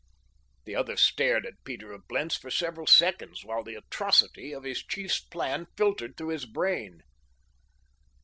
The other stared at Peter of Blentz for several seconds while the atrocity of his chief's plan filtered through his brain.